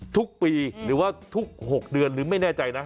ทุกปีหรือว่าทุก๖เดือนหรือไม่แน่ใจนะ